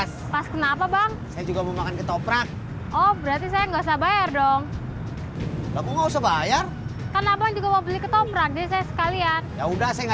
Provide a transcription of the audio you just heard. sampai jumpa di video selanjutnya